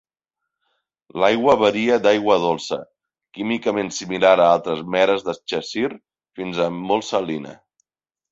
L'aigua varia d'aigua dolça, químicament similar a altres "meres" de Cheshire, fins a molt salina.